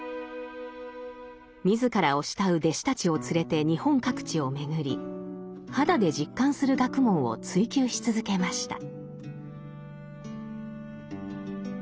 自らを慕う弟子たちを連れて日本各地を巡り肌で実感する学問を追究し続けました。